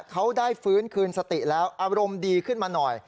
เขาได้ฟื้นคืนสติแล้วอารมณ์ดีขึ้นมาหน่อย